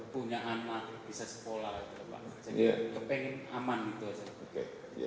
punya anak bisa sekolah jadi kepingin aman itu saja